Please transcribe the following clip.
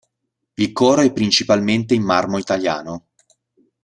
Il coro è principalmente in marmo italiano.